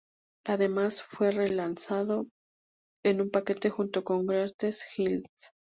Además, fue re-lanzado en un paquete junto con Greatest Hits.